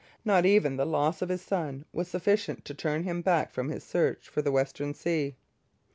Not even the loss of his son was sufficient to turn him back from his search for the Western Sea.